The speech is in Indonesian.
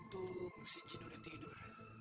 untung siti sudah tidur